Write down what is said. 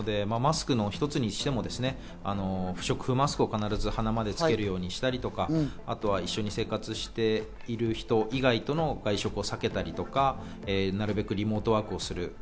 マスク一つにしても不織布マスクを鼻までつけるようにしたりとか、一緒に生活している人以外との会食を避けたりとか、なるべくリモートワークをする。